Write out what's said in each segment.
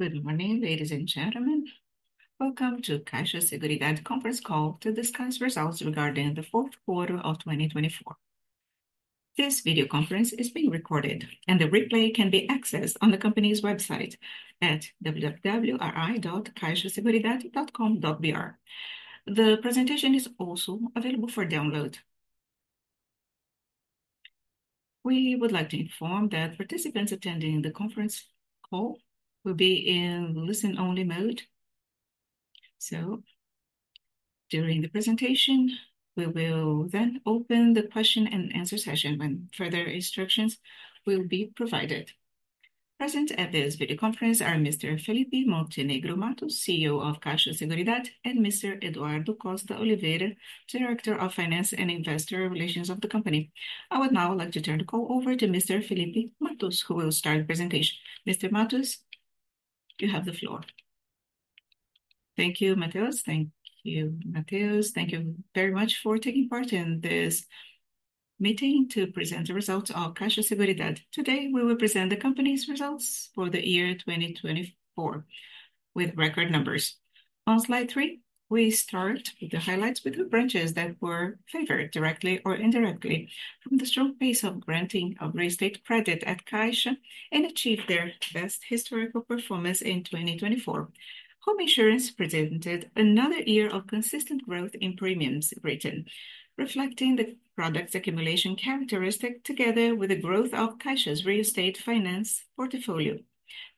Good morning, ladies and gentlemen. Welcome to Caixa Seguridade Conference Call to discuss results regarding the Q4 of 2024. This video conference is being recorded, and the replay can be accessed on the company's website at www.caixaseguridade.com.br. The presentation is also available for download. We would like to inform that participants attending the conference call will be in listen-only mode. So, during the presentation, we will then open the question-and-answer session, and further instructions will be provided. Present at this video conference are Mr. Felipe Montenegro Mattos, CEO of Caixa Seguridade, and Mr. Eduardo Costa Oliveira, Director of Finance and Investor Relations of the company. I would now like to turn the call over to Mr. Felipe Mattos, who will start the presentation. Mr. Mattos, you have the floor. Thank you, Mateus. Thank you, Mateus. Thank you very much for taking part in this meeting to present the results of Caixa Seguridade. Today, we will present the company's results for the year 2024 with record numbers. On slide three, we start with the highlights with the branches that were favored directly or indirectly from the strong pace of granting of real estate credit at Caixa and achieved their best historical performance in 2024. Home insurance presented another year of consistent growth in premiums written, reflecting the product's accumulation characteristic together with the growth of Caixa's real estate finance portfolio,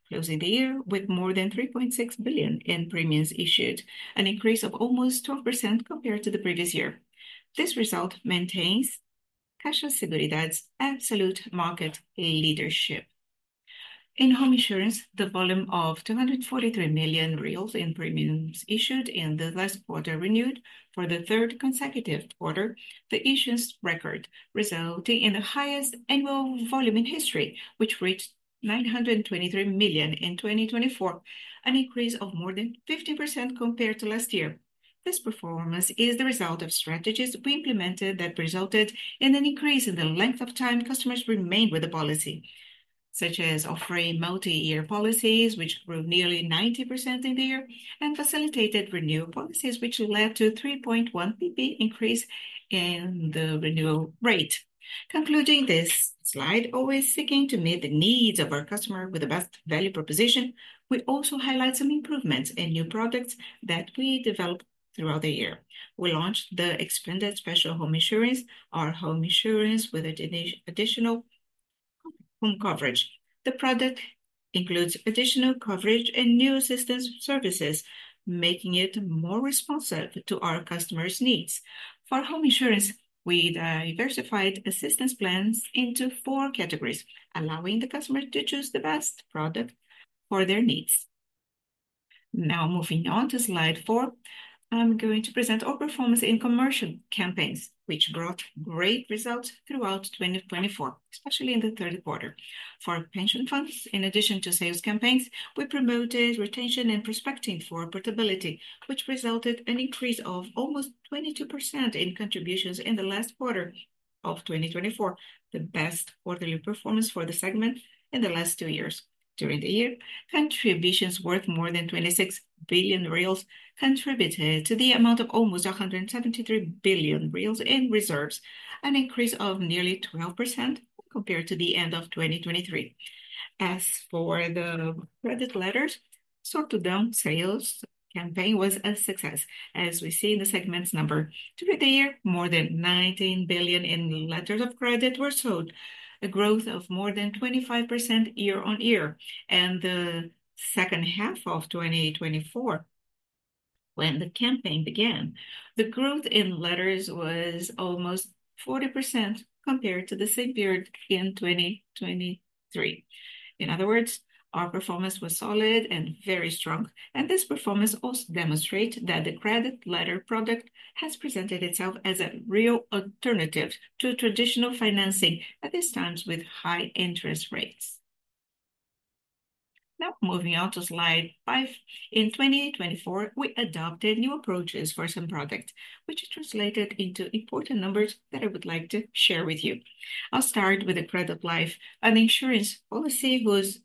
closing the year with more than 3.6 billion in premiums issued, an increase of almost 12% compared to the previous year. This result maintains Caixa Seguridade's absolute market leadership. In home insurance, the volume of 243 million reais in premiums issued in the last quarter renewed for the third consecutive quarter, the issuance record resulting in the highest annual volume in history, which reached 923 million in 2024, an increase of more than 50% compared to last year. This performance is the result of strategies we implemented that resulted in an increase in the length of time customers remained with the policy, such as offering multi-year policies, which grew nearly 90% in the year, and facilitated renewal policies, which led to a 3.1% increase in the renewal rate. Concluding this slide, always seeking to meet the needs of our customers with the best value proposition, we also highlight some improvements and new products that we developed throughout the year. We launched the expanded special home insurance, our home insurance with additional home coverage. The product includes additional coverage and new assistance services, making it more responsive to our customers' needs. For home insurance, we diversified assistance plans into four categories, allowing the customer to choose the best product for their needs. Now, moving on to slide four, I'm going to present our performance in commercial campaigns, which brought great results throughout 2024, especially in the Q3. For pension funds, in addition to sales campaigns, we promoted retention and prospecting for portability, which resulted in an increase of almost 22% in contributions in the last quarter of 2024, the best quarterly performance for the segment in the last two years. During the year, contributions worth more than 26 billion reais contributed to the amount of almost 173 billion reais in reserves, an increase of nearly 12% compared to the end of 2023. As for the credit letters, the sort-to-down sales campaign was a success, as we see in the segment's number. During the year, more than 19 billion in letters of credit were sold, a growth of more than 25% year-on-year. In the second half of 2024, when the campaign began, the growth in letters was almost 40% compared to the same period in 2023. In other words, our performance was solid and very strong, and this performance also demonstrates that the credit letter product has presented itself as a real alternative to traditional financing, at this time with high interest rates. Now, moving on to slide five, in 2024, we adopted new approaches for some products, which translated into important numbers that I would like to share with you. I'll start with the credit life, an insurance policy whose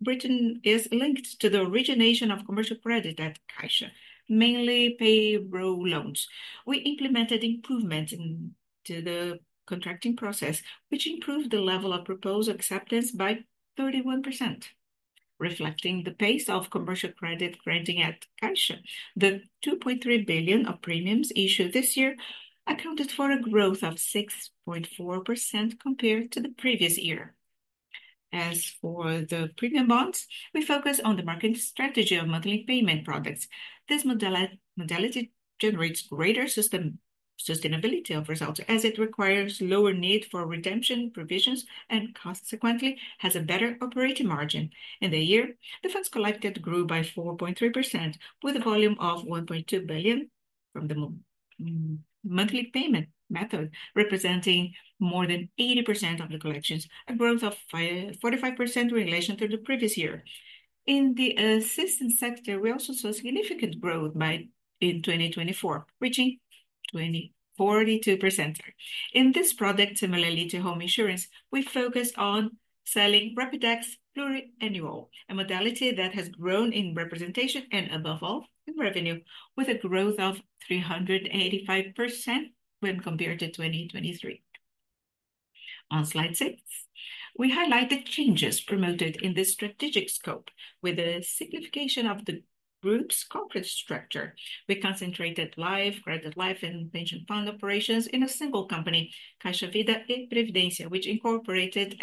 benefit is linked to the origination of commercial credit at Caixa, mainly payroll loans. We implemented improvements into the contracting process, which improved the level of proposed acceptance by 31%, reflecting the pace of commercial credit granting at Caixa. The 2.3 billion of premiums issued this year accounted for a growth of 6.4% compared to the previous year. As for the premium bonds, we focus on the market strategy of monthly payment products. This modality generates greater sustainability of results as it requires lower need for retention provisions and consequently has a better operating margin. In the year, the funds collected grew by 4.3% with a volume of 1.2 billion from the monthly payment method, representing more than 80% of the collections, a growth of 45% in relation to the previous year. In the assistance sector, we also saw significant growth by in 2024, reaching 42%. In this product, similarly to home insurance, we focus on selling Rapidex Plurianual, a modality that has grown in representation and, above all, in revenue, with a growth of 385% when compared to 2023. On slide six, we highlight the changes promoted in this strategic scope with the simplification of the group's corporate structure. We concentrated live, credit life, and pension fund operations in a single company, Caixa Vida e Previdência, which incorporated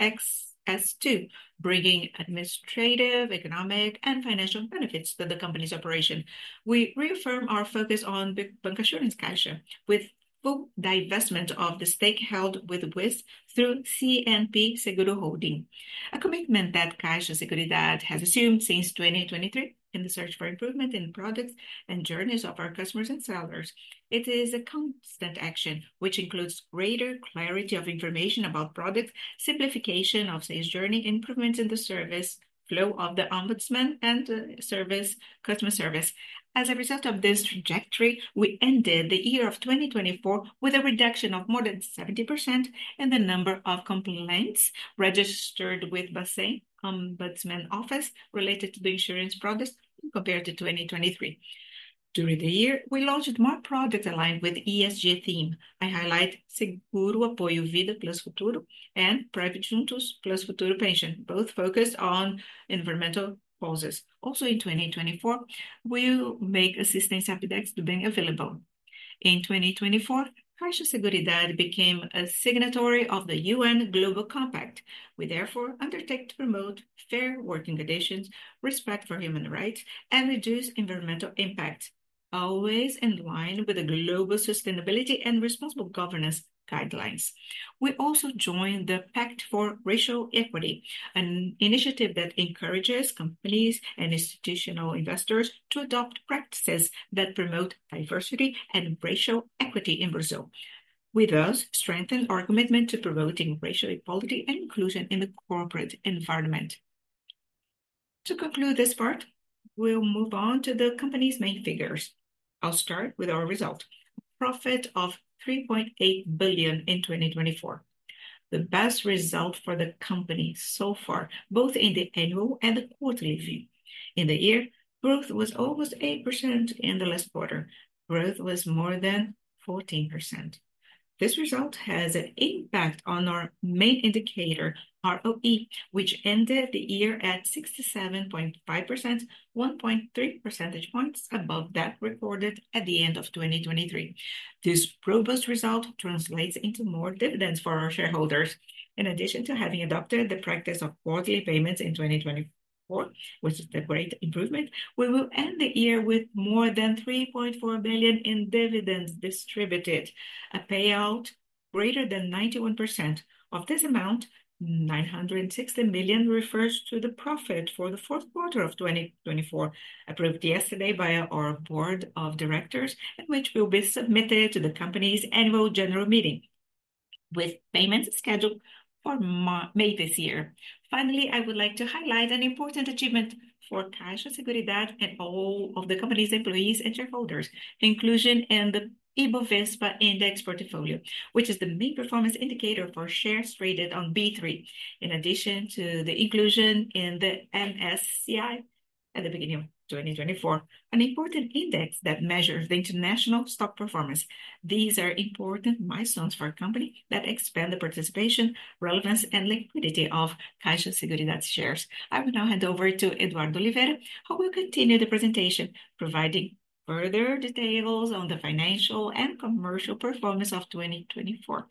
XS2, bringing administrative, economic, and financial benefits to the company's operation. We reaffirm our focus on bancassurance Caixa with full divestment of the stake held with Wiz through CNP Seguros Holding, a commitment that Caixa Seguridade has assumed since 2023 in the search for improvement in products and journeys of our customers and sellers. It is a constant action, which includes greater clarity of information about products, simplification of sales journey, improvements in the service flow of the omnichannel and customer service. As a result of this trajectory, we ended the year of 2024 with a reduction of more than 70% in the number of complaints registered with [embassy] Ombudsman Office related to the insurance products compared to 2023. During the year, we launched more products aligned with the ESG theme. I highlight Seguro Apoio Vida Plus Futuro and Prev Juntos Plus Futuro Pension, both focused on environmental causes. Also, in 2024, we will make assistance appetites being available. In 2024, Caixa Seguridade became a signatory of the UN Global Compact. We therefore undertake to promote fair working conditions, respect for human rights, and reduce environmental impact, always in line with the global sustainability and responsible governance guidelines. We also joined the Pact for Racial Equity, an initiative that encourages companies and institutional investors to adopt practices that promote diversity and racial equity in Brazil. With us, strengthen our commitment to promoting racial equality and inclusion in the corporate environment. To conclude this part, we'll move on to the company's main figures. I'll start with our result: profit of 3.8 billion in 2024, the best result for the company so far, both in the annual and the quarterly view. In the year, growth was almost 8% in the last quarter. Growth was more than 14%. This result has an impact on our main indicator, ROE, which ended the year at 67.5%, 1.3 percentage points above that recorded at the end of 2023. This robust result translates into more dividends for our shareholders. In addition to having adopted the practice of quarterly payments in 2024, which is a great improvement, we will end the year with more than 3.4 billion in dividends distributed, a payout greater than 91% of this amount. 960 million refers to the profit for the Q4 of 2024, approved yesterday by our board of directors, which will be submitted to the company's annual general meeting with payments scheduled for May this year. Finally, I would like to highlight an important achievement for Caixa Seguridade and all of the company's employees and shareholders: inclusion in the IBOVESPA index portfolio, which is the main performance indicator for shares traded on B3, in addition to the inclusion in the MSCI at the beginning of 2024, an important index that measures the international stock performance. These are important milestones for a company that expand the participation, relevance, and liquidity of Caixa Seguridade's shares. I will now hand over to Eduardo Oliveira, who will continue the presentation, providing further details on the financial and commercial performance of 2024. Edu,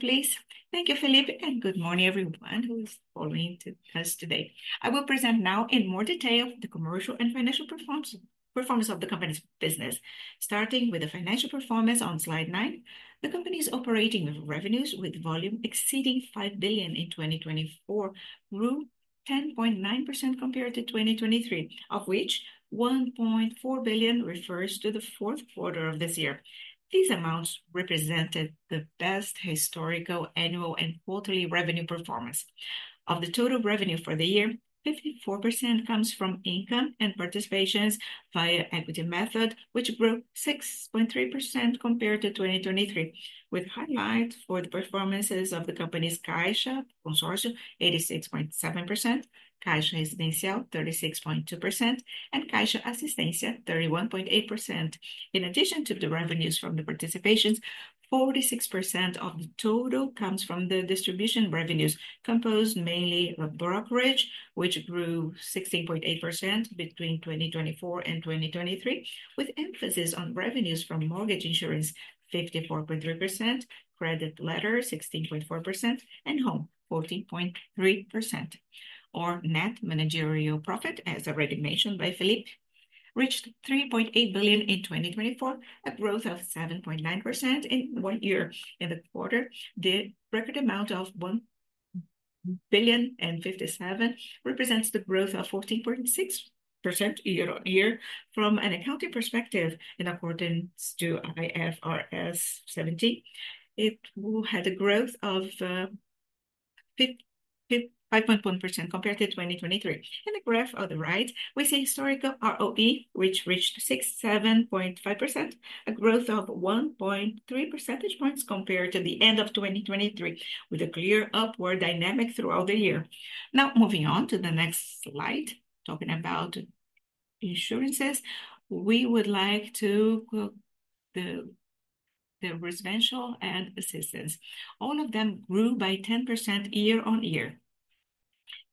please. Thank you, Felipe, and good morning, everyone who is following us today. I will present now in more detail the commercial and financial performance of the company's business, starting with the financial performance on slide nine. The company is operating with revenues with volume exceeding 5 billion in 2024, grew 10.9% compared to 2023, of which 1.4 billion refers to the Q4 of this year. These amounts represented the best historical annual and quarterly revenue performance. Of the total revenue for the year, 54% comes from income and participations via equity method, which grew 6.3% compared to 2023, with highlights for the performances of the companies Caixa Consórcios, 86.7%, Caixa Residencial, 36.2%, and Caixa Assistência, 31.8%. In addition to the revenues from the participations, 46% of the total comes from the distribution revenues, composed mainly of brokerage, which grew 16.8% between 2024 and 2023, with emphasis on revenues from mortgage insurance, 54.3%, credit letters, 16.4%, and home, 14.3%. Our net managerial profit, as already mentioned by Felipe, reached 3.8 billion in 2024, a growth of 7.9% in one year. In the quarter, the record amount of 1 billion and 57% represents the growth of 14.6% year-on-year from an accounting perspective. In accordance to IFRS 17, it had a growth of 5.1% compared to 2023. In the graph on the right, we see historical ROE, which reached 67.5%, a growth of 1.3 percentage points compared to the end of 2023, with a clear upward dynamic throughout the year. Now, moving on to the next slide, talking about insurances, we would like to look at the residential and assistance. All of them grew by 10% year-on-year.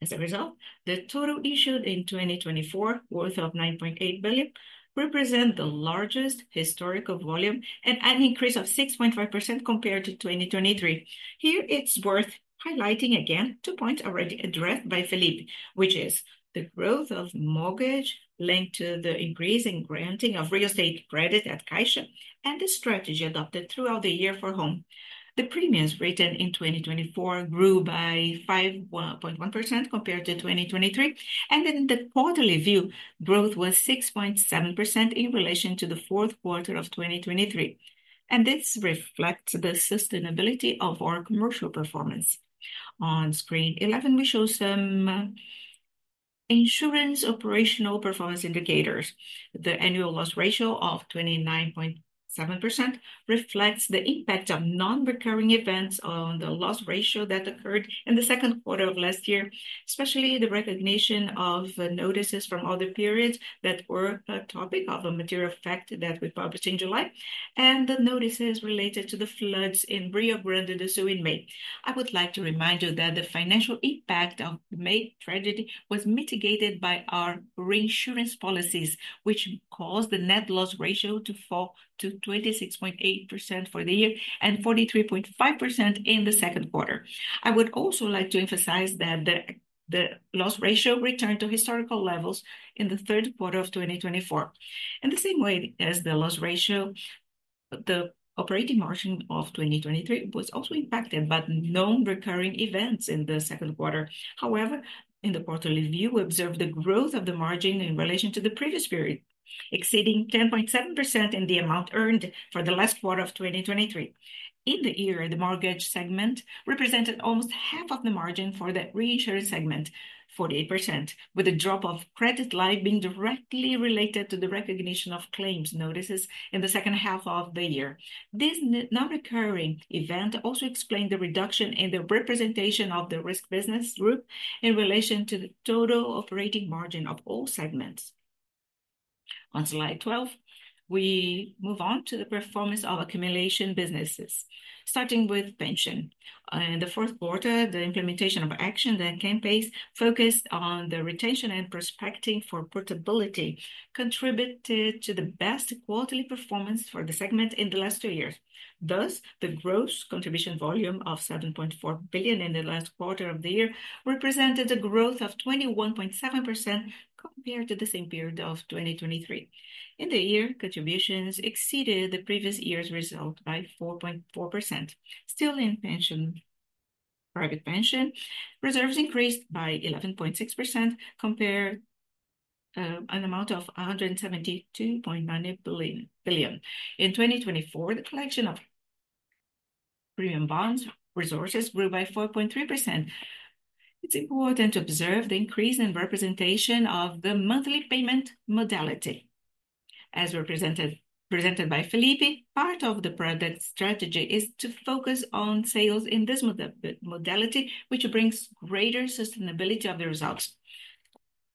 As a result, the total issued in 2024, worth of 9.8 billion, represents the largest historical volume and an increase of 6.5% compared to 2023. Here, it's worth highlighting again two points already addressed by Felipe, which are the growth of mortgage linked to the increase in granting of real estate credit at Caixa and the strategy adopted throughout the year for home. The premiums written in 2024 grew by 5.1% compared to 2023, and in the quarterly view, growth was 6.7% in relation to the Q4 of 2023. This reflects the sustainability of our commercial performance. On screen 11, we show some insurance operational performance indicators. The annual loss ratio of 29.7% reflects the impact of non-recurring events on the loss ratio that occurred in the Q2 of last year, especially the recognition of notices from other periods that were a topic of a material fact that we published in July and the notices related to the floods in Rio Grande do Sul in May. I would like to remind you that the financial impact of May tragedy was mitigated by our reinsurance policies, which caused the net loss ratio to fall to 26.8% for the year and 43.5% in the Q2. I would also like to emphasize that the loss ratio returned to historical levels in the Q3 of 2024. In the same way as the loss ratio, the operating margin of 2023 was also impacted by non-recurring events in the Q2. However, in the quarterly view, we observed the growth of the margin in relation to the previous period, exceeding 10.7% in the amount earned for the last quarter of 2023. In the year, the mortgage segment represented almost half of the margin for the reinsurance segment, 48%, with a drop of credit life being directly related to the recognition of claims notices in the second half of the year. This non-recurring event also explained the reduction in the representation of the risk business group in relation to the total operating margin of all segments. On slide 12, we move on to the performance of accumulation businesses, starting with pension. In the Q4, the implementation of action that campaigns focused on the retention and prospecting for portability contributed to the best quarterly performance for the segment in the last two years. Thus, the gross contribution volume of 7.4 billion in the last quarter of the year represented a growth of 21.7% compared to the same period of 2023. In the year, contributions exceeded the previous year's result by 4.4%. Still in pension, private pension reserves increased by 11.6% compared to an amount of 172.9 billion. In 2024, the collection of premium bonds resources grew by 4.3%. It's important to observe the increase in representation of the monthly payment modality. As represented by Felipe, part of the product strategy is to focus on sales in this modality, which brings greater sustainability of the results.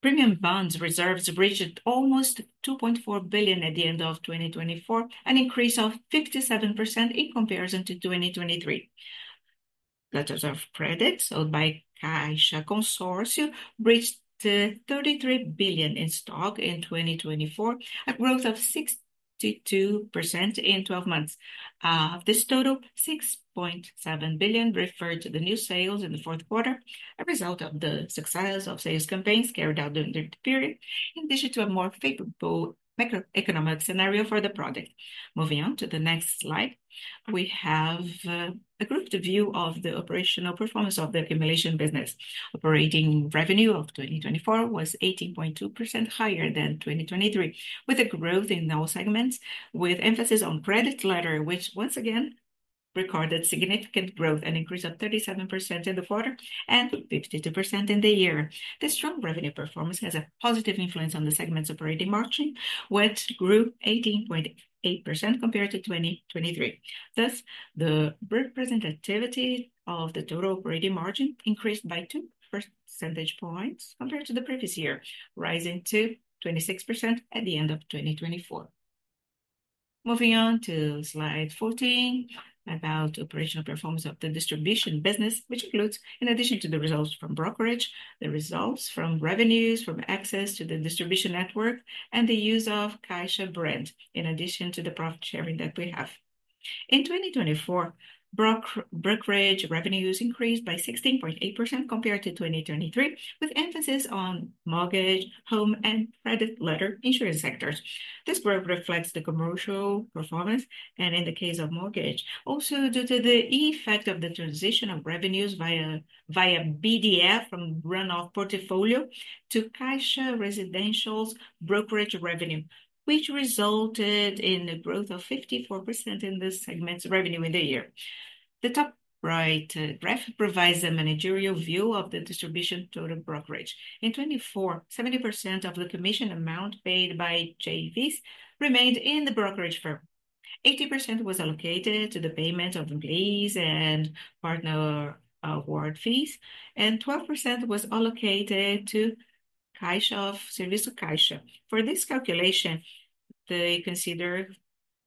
Premium bonds reserves reached almost 2.4 billion at the end of 2024, an increase of 57% in comparison to 2023. Letters of credit sold by Caixa Consorcio reached 33 billion in stock in 2024, a growth of 62% in 12 months. This total, 6.7 billion, referred to the new sales in the Q4, a result of the success of sales campaigns carried out during the period, in addition to a more favorable macroeconomic scenario for the product. Moving on to the next slide, we have a grouped view of the operational performance of the accumulation business. Operating revenue of 2024 was 18.2% higher than 2023, with a growth in all segments, with emphasis on credit letter, which once again recorded significant growth and increase of 37% in the quarter and 52% in the year. This strong revenue performance has a positive influence on the segment's operating margin, which grew 18.8% compared to 2023. Thus, the representativity of the total operating margin increased by two percentage points compared to the previous year, rising to 26% at the end of 2024. Moving on to slide 14 about operational performance of the distribution business, which includes, in addition to the results from brokerage, the results from revenues from access to the distribution network and the use of Caixa Brand, in addition to the profit sharing that we have. In 2024, brokerage revenues increased by 16.8% compared to 2023, with emphasis on mortgage, home, and credit letter insurance sectors. This growth reflects the commercial performance and, in the case of mortgage, also due to the effect of the transition of revenues via BDF from runoff portfolio to Caixa Residential's brokerage revenue, which resulted in a growth of 54% in the segment's revenue in the year. The top right graph provides a managerial view of the distribution total brokerage. In 2024, 70% of the commission amount paid by JVs remained in the brokerage firm. 80% was allocated to the payment of employees and partner award fees, and 12% was allocated to Caixa's service to Caixa. For this calculation, they consider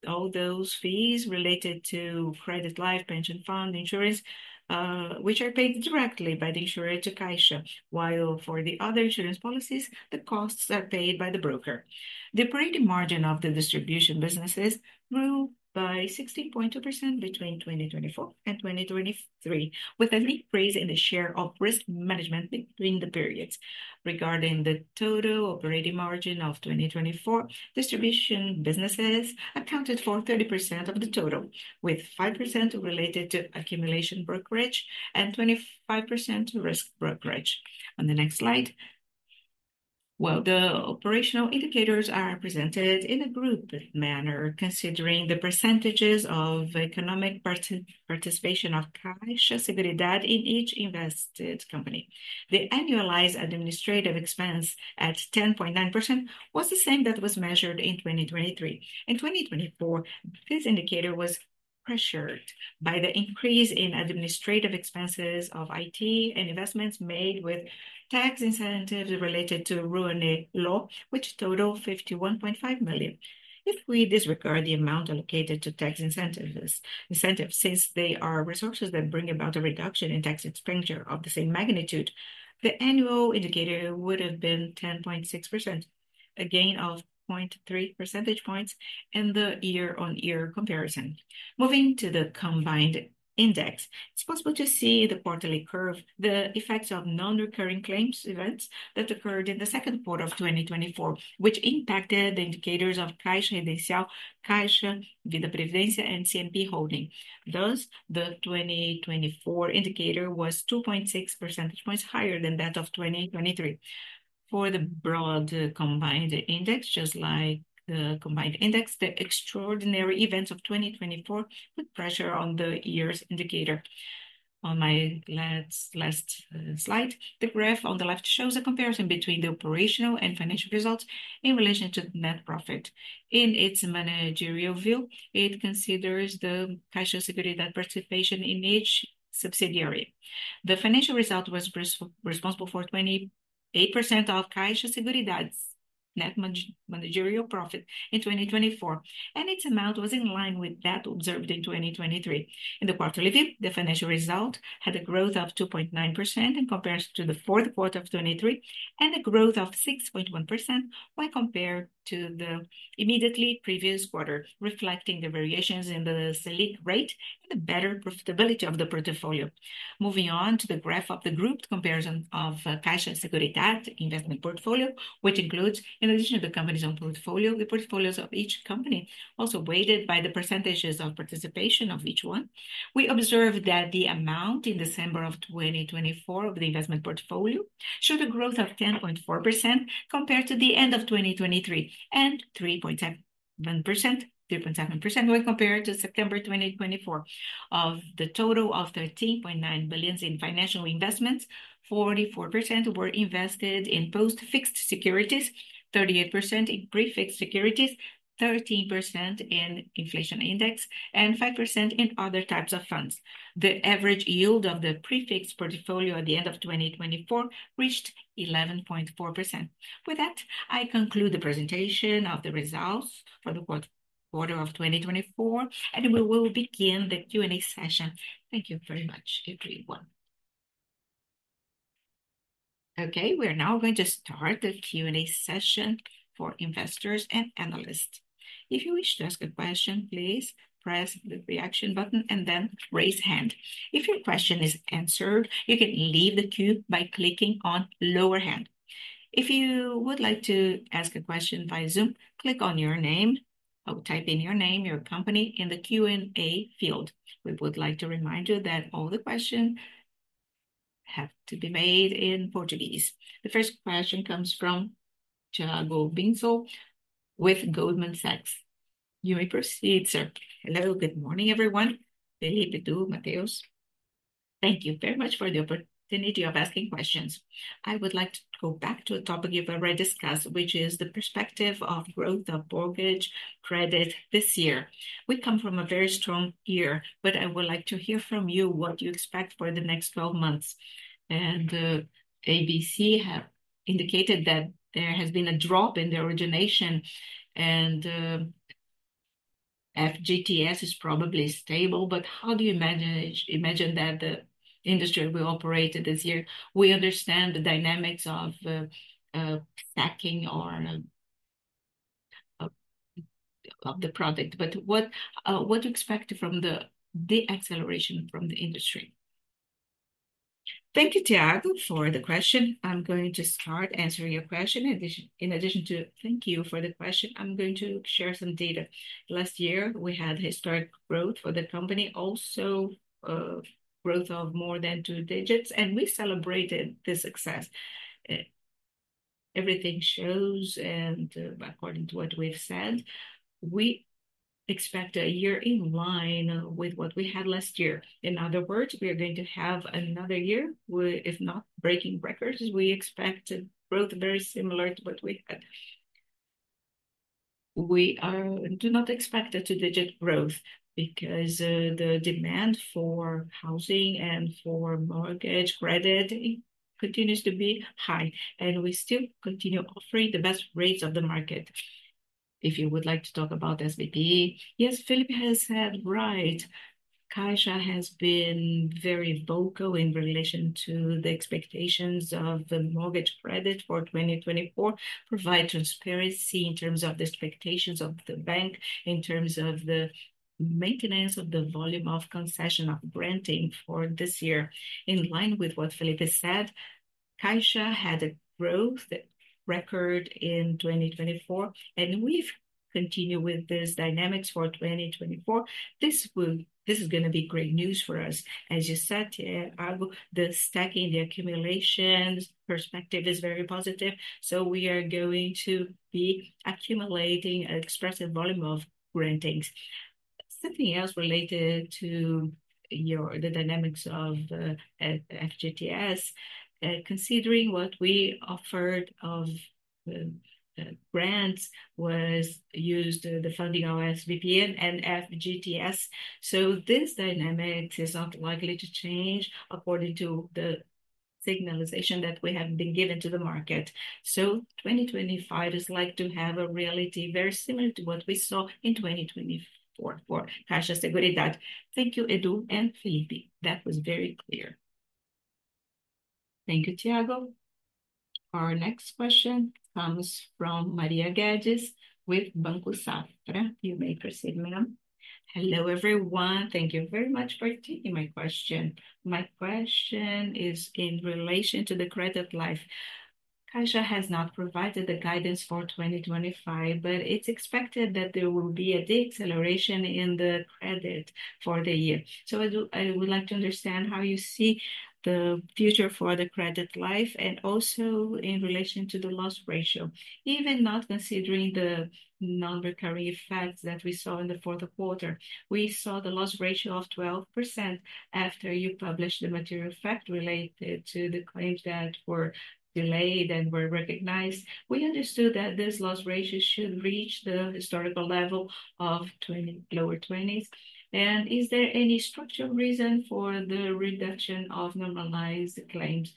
all those fees related to credit life, pension fund insurance, which are paid directly by the insurer to Caixa, while for the other insurance policies, the costs are paid by the broker. The operating margin of the distribution businesses grew by 16.2% between 2024 and 2023, with an increase in the share of risk management between the periods. Regarding the total operating margin of 2024, distribution businesses accounted for 30% of the total, with 5% related to accumulation brokerage and 25% to risk brokerage. On the next slide, well, the operational indicators are presented in a grouped manner, considering the percentages of economic participation of Caixa Seguridade in each invested company. The annualized administrative expense at 10.9% was the same that was measured in 2023. In 2024, this indicator was pressured by the increase in administrative expenses of IT and investments made with tax incentives related to Rouanet Law, which totaled 51.5 million. If we disregard the amount allocated to tax incentives, since they are resources that bring about a reduction in tax expenditure of the same magnitude, the annual indicator would have been 10.6%, a gain of 0.3 percentage points in the year-on-year comparison. Moving to the combined index, it's possible to see the quarterly curve, the effects of non-recurring claims events that occurred in the Q2 of 2024, which impacted the indicators of Caixa Residencial, Caixa Vida Previdência, and CNP Holding. Thus, the 2024 indicator was 2.6 percentage points higher than that of 2023. For the broad combined index, just like the combined index, the extraordinary events of 2024 put pressure on the year's indicator. On my last slide, the graph on the left shows a comparison between the operational and financial results in relation to net profit. In its managerial view, it considers the Caixa Seguridade participation in each subsidiary. The financial result was responsible for 28% of Caixa Seguridade's net managerial profit in 2024, and its amount was in line with that observed in 2023. In the quarterly view, the financial result had a growth of 2.9% in comparison to the Q4 of 2023 and a growth of 6.1% when compared to the immediately previous quarter, reflecting the variations in the Selic rate and the better profitability of the portfolio. Moving on to the graph of the grouped comparison of Caixa Seguridade investment portfolio, which includes, in addition to the companies on portfolio, the portfolios of each company, also weighted by the percentages of participation of each one. We observed that the amount in December of 2024 of the investment portfolio showed a growth of 10.4% compared to the end of 2023 and 3.7%, 3.7% when compared to September 2024. Of the total of 13.9 billion in financial investments, 44% were invested in post-fixed securities, 38% in prefixed securities, 13% in inflation index, and 5% in other types of funds. The average yield of the prefixed portfolio at the end of 2024 reached 11.4%. With that, I conclude the presentation of the results for the quarter of 2024, and we will begin the Q&A session. Thank you very much, everyone. Okay, we're now going to start the Q&A session for investors and analysts. If you wish to ask a question, please press the reaction button and then raise your hand. If your question is answered, you can leave the queue by clicking on the lower hand. If you would like to ask a question via Zoom, click on your name. I will type in your name, your company in the Q&A field. We would like to remind you that all the questions have to be made in Portuguese. The first question comes from Tiago Binsfeld with Goldman Sachs. You may proceed, sir. Hello, good morning, everyone. Felipe do Mateus. Thank you very much for the opportunity of asking questions. I would like to go back to a topic you've already discussed, which is the perspective of growth of mortgage credit this year. We come from a very strong year, but I would like to hear from you what you expect for the next 12 months, and the ABC have indicated that there has been a drop in the origination, and FGTS is probably stable, but how do you imagine that the industry will operate this year? We understand the dynamics of stacking on the product, but what do you expect from the deceleration from the industry? Thank you, Tiago, for the question. I'm going to start answering your question. In addition to thank you for the question, I'm going to share some data. Last year, we had historic growth for the company, also growth of more than two digits, and we celebrated the success. Everything shows, and according to what we've said, we expect a year in line with what we had last year. In other words, we are going to have another year, if not breaking records, we expect growth very similar to what we had. We do not expect a two-digit growth because the demand for housing and for mortgage credit continues to be high, and we still continue offering the best rates of the market. If you would like to talk about SBPE, yes, Felipe has had right. Caixa has been very vocal in relation to the expectations of the mortgage credit for 2024, provide transparency in terms of the expectations of the bank, in terms of the maintenance of the volume of concession of granting for this year. In line with what Felipe has said, Caixa had a growth record in 2024, and we've continued with these dynamics for 2024. This is going to be great news for us. As you said, Tiago, the stacking, the accumulation perspective is very positive, so we are going to be accumulating an expressive volume of grantings. Something else related to your, the dynamics of FGTS, considering what we offered of grants was used the funding of SBPE and FGTS, so this dynamic is not likely to change according to the signaling that we have been given to the market, so 2025 is likely to have a reality very similar to what we saw in 2024 for Caixa Seguridade. Thank you, Edu and Felipe. That was very clear. Thank you, Tiago. Our next question comes from Maria Guedes with Banco Safra. You may proceed, ma'am. Hello everyone. Thank you very much for taking my question. My question is in relation to the credit life. Caixa has not provided the guidance for 2025, but it's expected that there will be a deceleration in the credit for the year. I would like to understand how you see the future for the credit life and also in relation to the loss ratio, even not considering the non-recurring effects that we saw in the Q4. We saw the loss ratio of 12% after you published the material fact related to the claims that were delayed and were recognized. We understood that this loss ratio should reach the historical level of lower 20s. Is there any structural reason for the reduction of normalized claims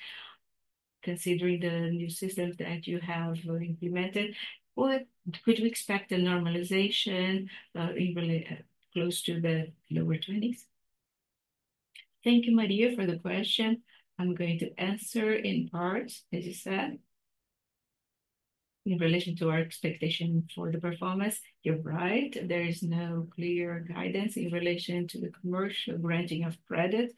considering the new systems that you have implemented? What could you expect the normalization in relation close to the lower 20s? Thank you, Maria, for the question. I'm going to answer in part, as you said, in relation to our expectation for the performance. You're right. There is no clear guidance in relation to the commercial granting of credit.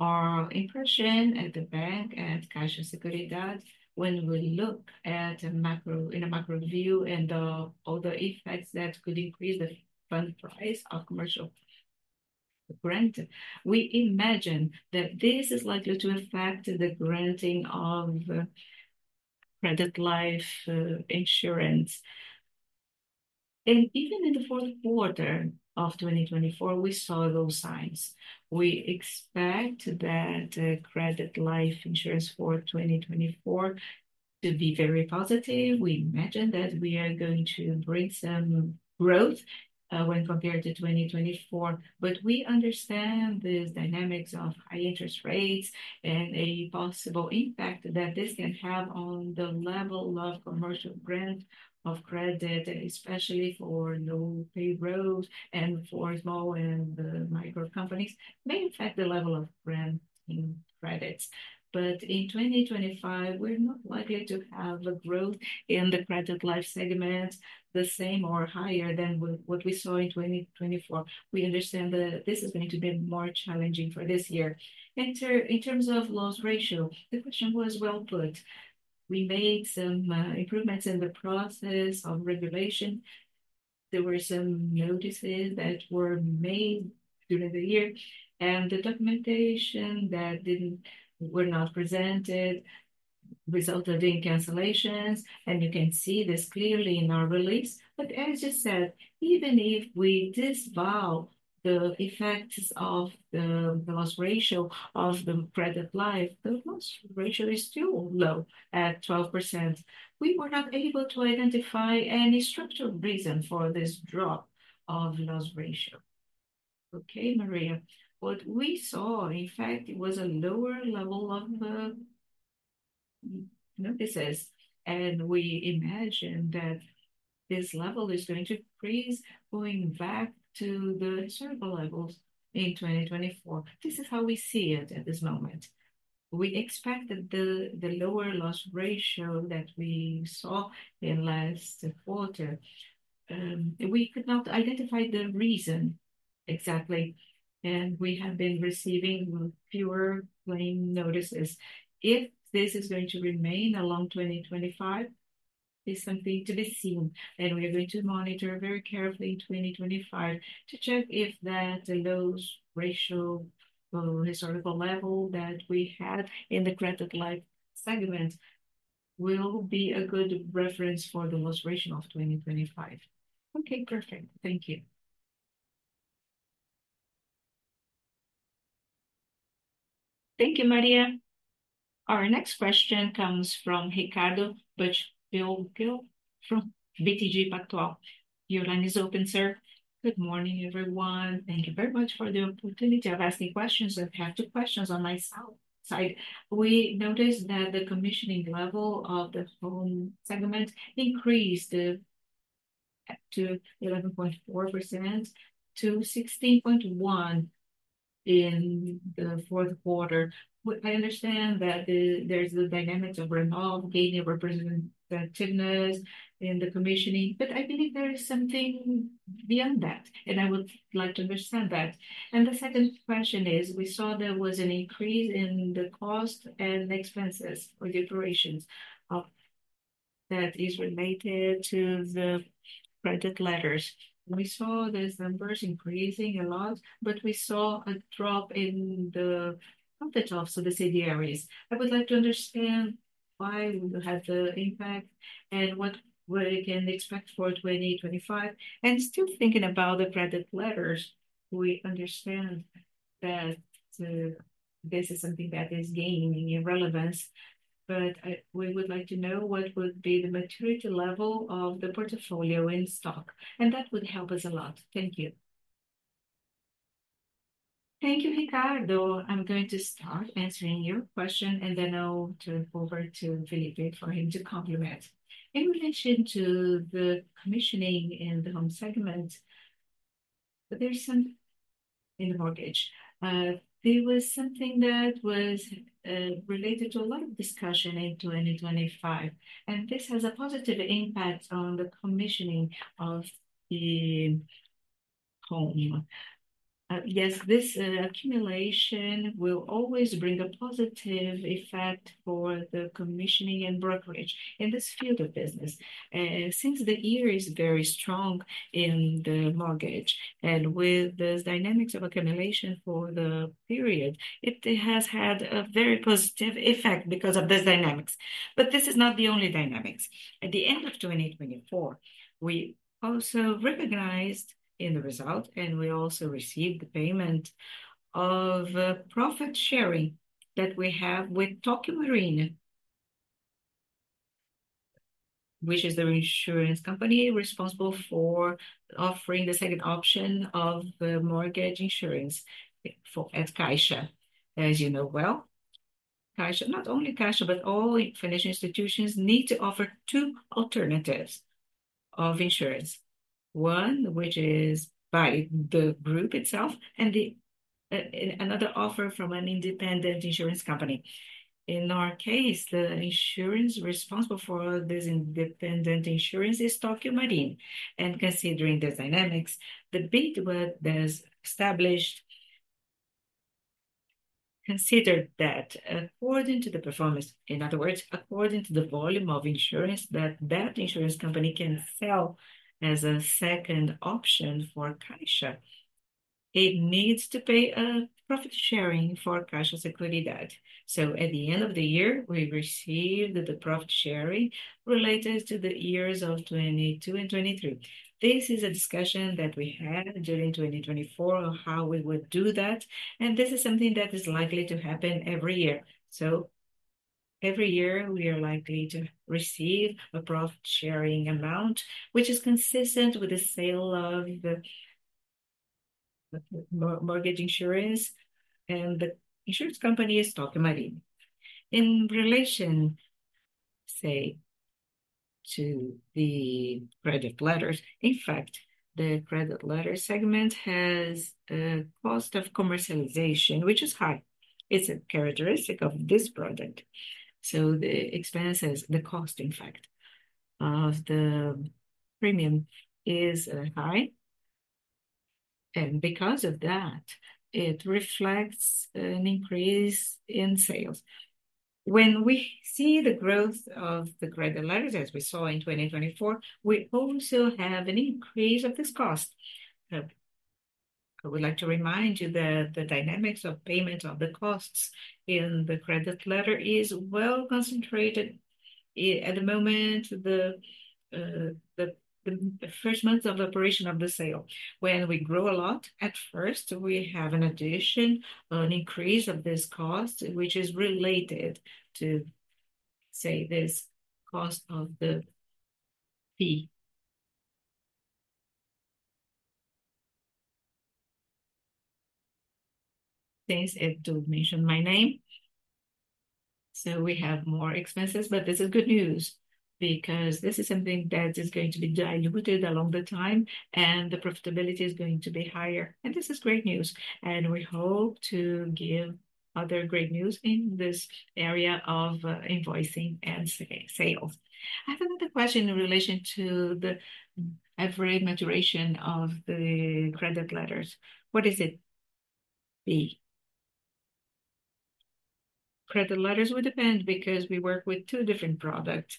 Our impression at the bank and Caixa Seguridade, when we look at a macro in a macro view and all the effects that could increase the fund price of commercial grant, we imagine that this is likely to affect the granting of credit life insurance, and even in the Q4 of 2024, we saw those signs. We expect that credit life insurance for 2024 to be very positive. We imagine that we are going to bring some growth when compared to 2024, but we understand these dynamics of high interest rates and a possible impact that this can have on the level of commercial grant of credit, especially for low payrolls and for small and micro companies, may affect the level of granting credits, but in 2025, we're not likely to have a growth in the credit life segment the same or higher than what we saw in 2024. We understand that this is going to be more challenging for this year. In terms of loss ratio, the question was well put. We made some improvements in the process of regulation. There were some notices that were made during the year, and the documentation that didn't were not presented resulted in cancellations, and you can see this clearly in our release. But as you said, even if we disavow the effects of the loss ratio of the credit life, the loss ratio is still low at 12%. We were not able to identify any structural reason for this drop of loss ratio. Okay, Maria, what we saw, in fact, it was a lower level of notices, and we imagine that this level is going to increase going back to the historical levels in 2024. This is how we see it at this moment. We expected the lower loss ratio that we saw in last quarter. We could not identify the reason exactly, and we have been receiving fewer claim notices. If this is going to remain along 2025, it's something to be seen, and we are going to monitor very carefully in 2025 to check if that low ratio historical level that we had in the credit life segment will be a good reference for the low ratio of 2025. Okay, perfect. Thank you. Thank you, Maria. Our next question comes from Ricardo Buchpiguel from BTG Pactual. Your line is open, sir. Good morning, everyone. Thank you very much for the opportunity of asking questions. I have two questions on my side. We noticed that the commissioning level of the home segment increased to 11.4%-16.1% in the Q4. I understand that there's the dynamics of renewal gaining representativeness in the commissions, but I believe there is something beyond that, and I would like to understand that, and the second question is, we saw there was an increase in the cost and expenses for the operations that is related to the credit letters. We saw these numbers increasing a lot, but we saw a drop in the profit of the subsidiaries. I would like to understand why we have the impact and what we can expect for 2025, and still thinking about the credit letters, we understand that this is something that is gaining in relevance, but we would like to know what would be the maturity level of the portfolio in stock, and that would help us a lot. Thank you. Thank you, Ricardo. I'm going to start answering your question, and then I'll turn it over to Felipe for him to complement. In relation to the commissioning in the home segment, there's some in the mortgage. There was something that was related to a lot of discussion in 2025, and this has a positive impact on the commissioning of the home. Yes, this accumulation will always bring a positive effect for the commissioning and brokerage in this field of business. Since the year is very strong in the mortgage and with these dynamics of accumulation for the period, it has had a very positive effect because of these dynamics. But this is not the only dynamics. At the end of 2024, we also recognized in the result, and we also received the payment of profit sharing that we have with Tokio Marine, which is the insurance company responsible for offering the second option of mortgage insurance at Caixa. As you know well, not only Caixa, but all financial institutions need to offer two alternatives of insurance. One, which is by the group itself, and another offer from an independent insurance company. In our case, the insurance responsible for this independent insurance is Tokio Marine. And considering the dynamics, the BITWAT has considered that according to the performance, in other words, according to the volume of insurance that that insurance company can sell as a second option for Caixa, it needs to pay a profit sharing for Caixa Seguridade. So at the end of the year, we received the profit sharing related to the years of 2022 and 2023. This is a discussion that we had during 2024 on how we would do that, and this is something that is likely to happen every year. So every year, we are likely to receive a profit sharing amount, which is consistent with the sale of mortgage insurance, and the insurance company is Tokio Marine. In relation, say, to the credit letters, in fact, the credit letter segment has a cost of commercialization, which is high. It's a characteristic of this product. So the expenses, the cost, in fact, of the premium is high, and because of that, it reflects an increase in sales. When we see the growth of the credit letters, as we saw in 2024, we also have an increase of this cost. I would like to remind you that the dynamics of payment of the costs in the credit letter is well concentrated at the moment, the first month of operation of the sale. When we grow a lot, at first, we have an addition, an increase of this cost, which is related to, say, this cost of the fee. Since Edu mentioned my name, so we have more expenses, but this is good news because this is something that is going to be diluted along the time, and the profitability is going to be higher, and this is great news, and we hope to give other great news in this area of invoicing and sales. I have another question in relation to the average maturation of the credit letters. What is it? The credit letters will depend because we work with two different products,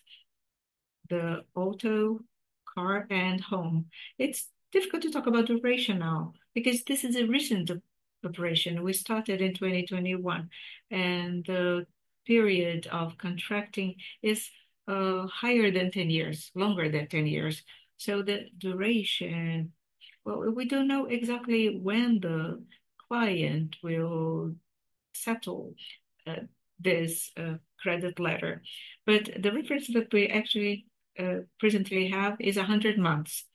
the Auto car, and Home. It's difficult to talk about duration now because this is a recent operation. We started in 2021, and the period of contracting is higher than 10 years, longer than 10 years. So the duration, well, we don't know exactly when the client will settle this credit letter, but the reference that we actually presently have is 100 months.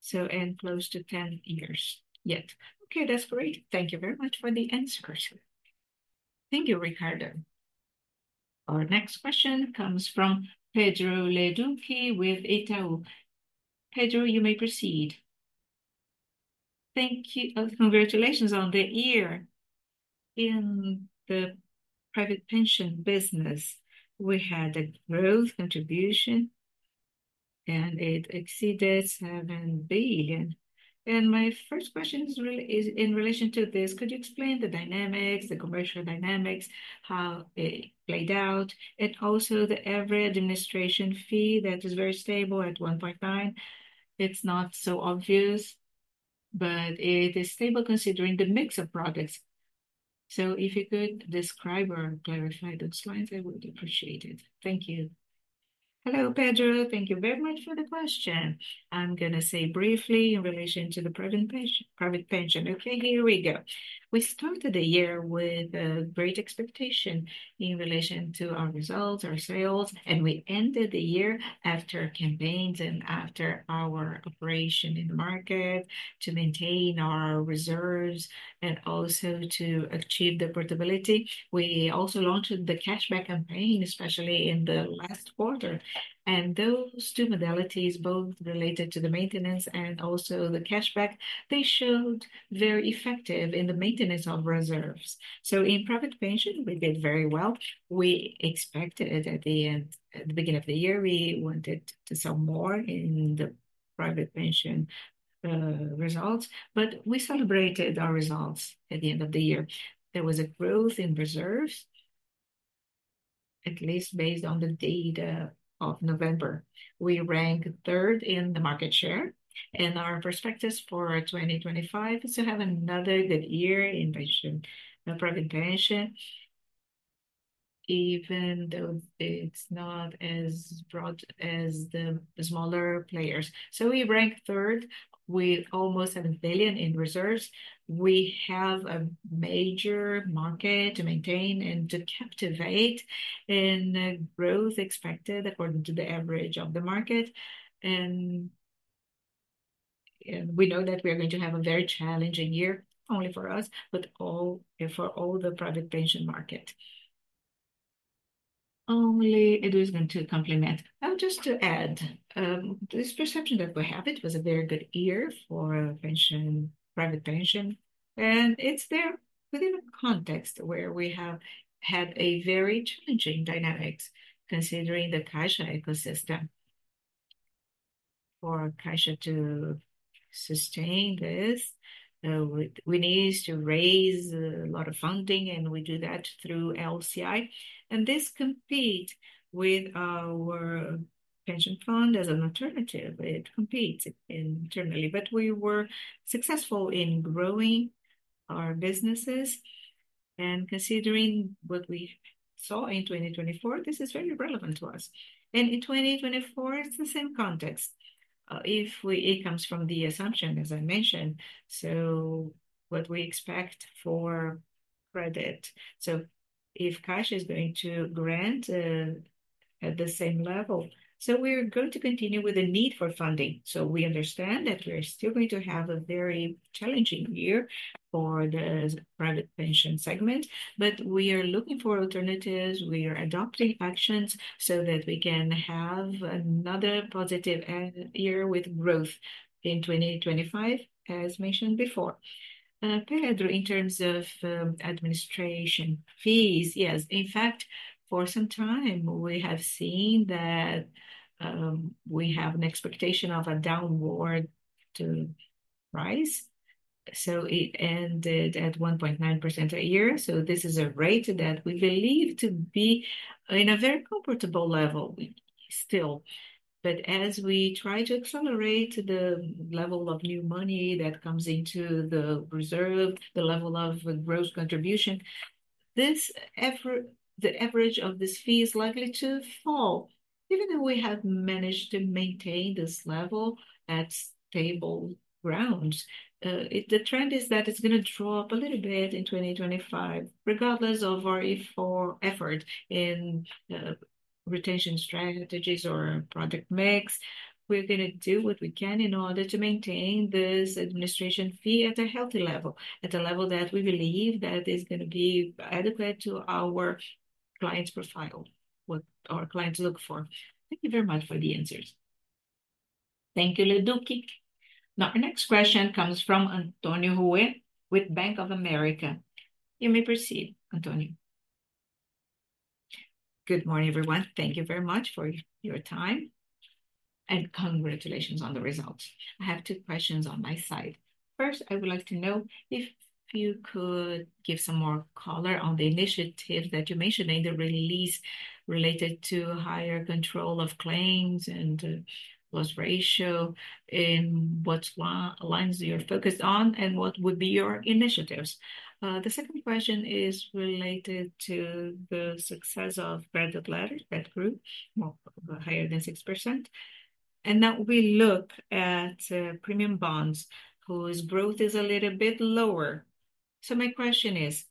So and close to 10 years yet. Okay, that's great. Thank you very much for the answers. Thank you, Ricardo. Our next question comes from Pedro Leduc with Itaú. Pedro, you may proceed. Thank you. Congratulations on the year. In the private pension business, we had a growth contribution, and it exceeded 7 billion. And my first question is really in relation to this. Could you explain the dynamics, the commercial dynamics, how it played out, and also the average administration fee that is very stable at 1.9%? It's not so obvious, but it is stable considering the mix of projects, so if you could describe or clarify those lines, I would appreciate it. Thank you. Hello, Pedro. Thank you very much for the question. I'm going to say briefly in relation to the private pension. Okay, here we go. We started the year with a great expectation in relation to our results, our sales, and we ended the year after campaigns and after our operation in the market to maintain our reserves and also to achieve the portability. We also launched the cashback campaign, especially in the last quarter, and those two modalities, both related to the maintenance and also the cashback, they showed very effective in the maintenance of reserves, so in private pension, we did very well. We expected it at the beginning of the year. We wanted to sell more in the private pension results, but we celebrated our results at the end of the year. There was a growth in reserves, at least based on the data of November. We ranked third in the market share, and our prospects for 2025 are to have another good year in private pension, even though it's not as broad as the smaller players, so we ranked third with almost 7 billion in reserves. We have a major market to maintain and to participate in growth expected according to the average of the market, and we know that we are going to have a very challenging year only for us, but for all the private pension market. Only Ed was going to comment. Now, just to add, this perception that we have, it was a very good year for a private pension, and it's there within a context where we have had a very challenging dynamic considering the Caixa ecosystem. For Caixa to sustain this, we need to raise a lot of funding, and we do that through LCI, and this competes with our pension fund as an alternative. It competes internally, but we were successful in growing our businesses, and considering what we saw in 2024, this is very relevant to us, and in 2024, it's the same context. It comes from the assumption, as I mentioned, so what we expect for credit, so if Caixa is going to grant at the same level, so we're going to continue with the need for funding. So we understand that we are still going to have a very challenging year for the private pension segment, but we are looking for alternatives. We are adopting actions so that we can have another positive year with growth in 2025, as mentioned before. Pedro, in terms of administration fees, yes. In fact, for some time, we have seen that we have an expectation of a downward price. So it ended at 1.9% a year. So this is a rate that we believe to be in a very comfortable level still. But as we try to accelerate the level of new money that comes into the reserve, the level of growth contribution, the average of this fee is likely to fall. Even if we have managed to maintain this level at stable grounds, the trend is that it's going to drop a little bit in 2025, regardless of our effort in retention strategies or project mix. We're going to do what we can in order to maintain this administration fee at a healthy level, at a level that we believe that is going to be adequate to our clients' profile, what our clients look for. Thank you very much for the answers. Thank you, Ledunki. Now, our next question comes from Antonio Josue with Bank of America. You may proceed, Antonio. Good morning, everyone. Thank you very much for your time, and congratulations on the results. I have two questions on my side. First, I would like to know if you could give some more color on the initiative that you mentioned in the release related to higher control of claims and loss ratio in what lines you're focused on and what would be your initiatives? The second question is related to the success of credit letters, credit group, more higher than 6%. And now we look at premium bonds, whose growth is a little bit lower. So my question is,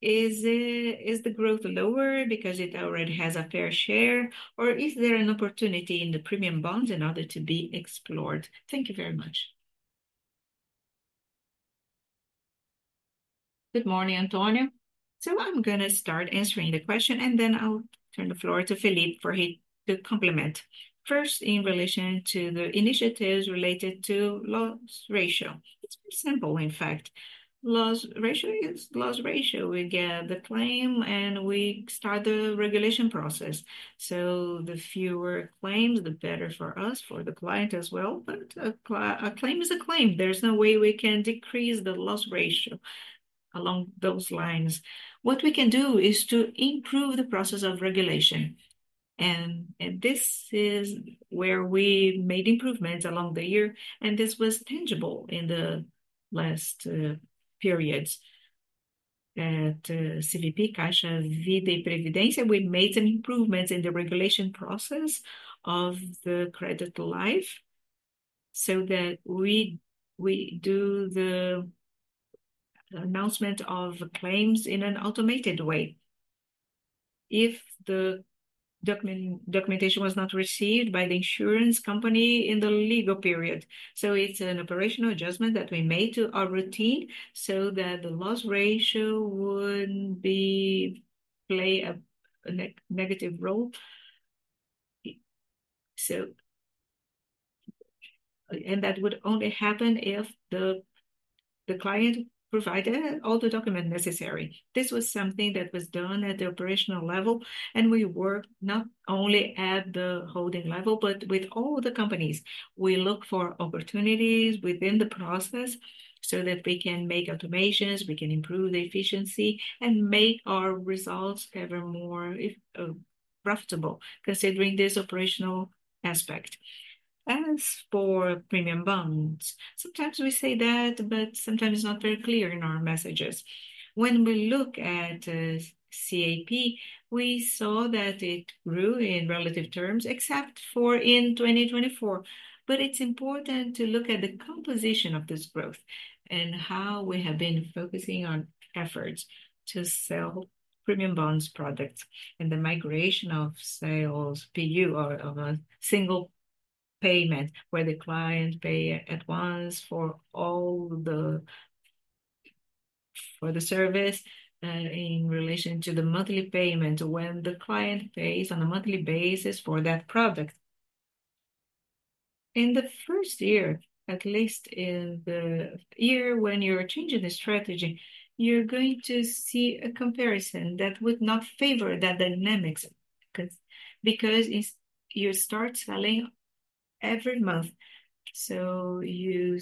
is the growth lower because it already has a fair share, or is there an opportunity in the premium bonds in order to be explored? Thank you very much. Good morning, Antonio. So I'm going to start answering the question, and then I'll turn the floor to Felipe for him to complement. First, in relation to the initiatives related to loss ratio. It's very simple, in fact. Loss ratio is loss ratio. We get the claim, and we start the regulation process, so the fewer claims, the better for us, for the client as well. But a claim is a claim. There's no way we can decrease the loss ratio along those lines. What we can do is to improve the process of regulation, and this is where we made improvements along the year, and this was tangible in the last periods. At CVP Caixa Vida e Previdência, we made some improvements in the regulation process of the credit life so that we do the announcement of claims in an automated way if the documentation was not received by the insurance company in the legal period, so it's an operational adjustment that we made to our routine so that the loss ratio wouldn't play a negative role, and that would only happen if the client provided all the documents necessary. This was something that was done at the operational level, and we work not only at the holding level, but with all the companies. We look for opportunities within the process so that we can make automations, we can improve the efficiency, and make our results ever more profitable considering this operational aspect. As for premium bonds, sometimes we say that, but sometimes it's not very clear in our messages. When we look at CAP, we saw that it grew in relative terms, except for in 2024. But it's important to look at the composition of this growth and how we have been focusing on efforts to sell premium bonds products and the migration of sales PU of a single payment where the client pays at once for all the services in relation to the monthly payment when the client pays on a monthly basis for that product. In the first year, at least in the year when you're changing the strategy, you're going to see a comparison that would not favor that dynamic because you start selling every month. So you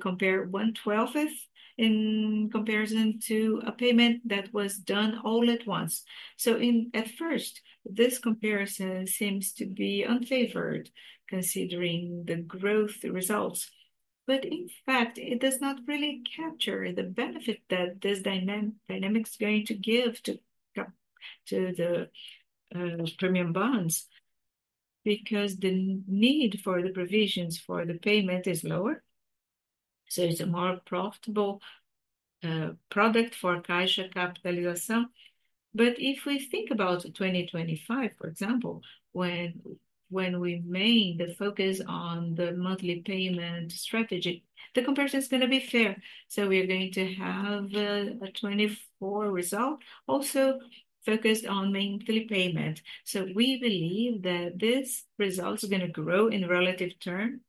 compare one-twelfth in comparison to a payment that was done all at once. So at first, this comparison seems to be unfavorable considering the growth results. But in fact, it does not really capture the benefit that this dynamic is going to give to the premium bonds because the need for the provisions for the payment is lower. So it's a more profitable product for Caixa Capitalização. But if we think about 2025, for example, when we made the focus on the monthly payment strategy, the comparison is going to be fair. So we're going to have a 2024 result also focused on monthly payment. We believe that this result is going to grow in relative terms,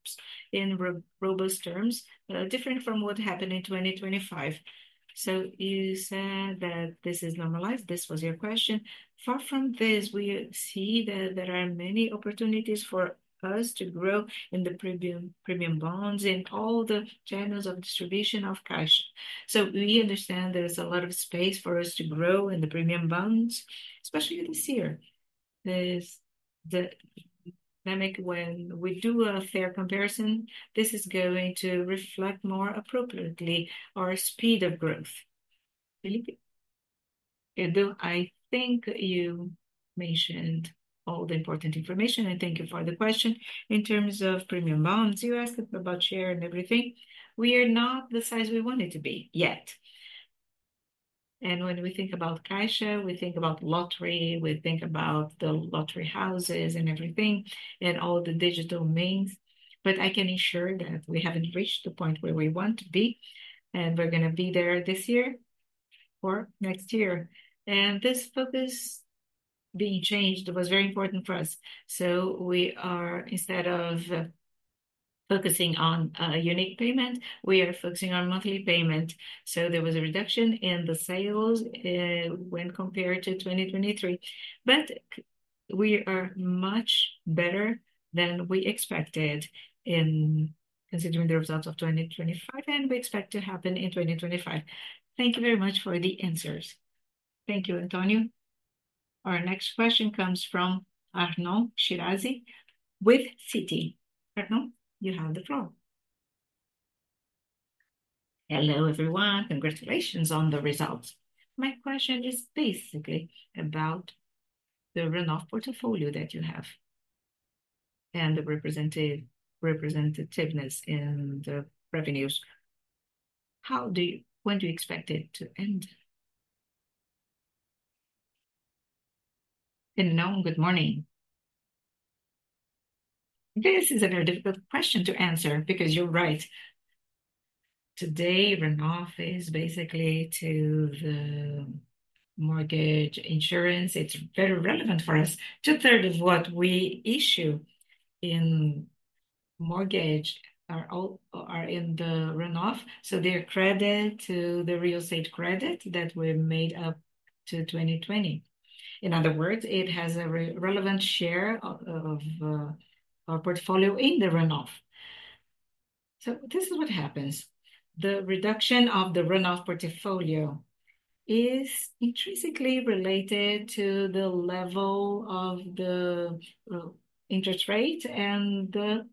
in robust terms, different from what happened in 2025. You said that this is normalized. This was your question. Far from this, we see that there are many opportunities for us to grow in the premium bonds in all the channels of distribution of cash. We understand there is a lot of space for us to grow in the premium bonds, especially this year. The dynamic, when we do a fair comparison, is going to reflect more appropriately our speed of growth. Edu, I think you mentioned all the important information, and thank you for the question. In terms of premium bonds, you asked about share and everything. We are not the size we want it to be yet. When we think about Caixa, we think about lottery, we think about the lottery houses and everything, and all the digital means. I can ensure that we haven't reached the point where we want to be, and we're going to be there this year or next year. This focus being changed was very important for us. We are, instead of focusing on a unique payment, we are focusing on monthly payment. There was a reduction in the sales when compared to 2023. We are much better than we expected in considering the results of 2025, and we expect to happen in 2025. Thank you very much for the answers. Thank you, Antonio. Our next question comes from Arnon Shirazi with Citi. Arnon, you have the floor. Hello everyone. Congratulations on the results. My question is basically about the runoff portfolio that you have and the representativeness in the revenues. How do you, when do you expect it to end? Arnon, good morning. This is a very difficult question to answer because you're right. Today, runoff is basically to the mortgage insurance. It's very relevant for us. 2/3 of what we issue in mortgage are in the runoff. So they're credit to the real estate credit that we made up to 2020. In other words, it has a relevant share of our portfolio in the runoff. So this is what happens. The reduction of the runoff portfolio is intrinsically related to the level of the interest rate and the